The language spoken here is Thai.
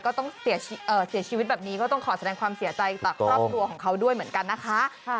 ก็ต้องเสียชีวิตแบบนี้ก็ต้องขอแสดงความเสียใจต่อครอบครัวของเขาด้วยเหมือนกันนะคะ